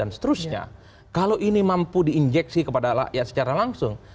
dan seterusnya kalau ini mampu diinjeksi kepada rakyat secara langsung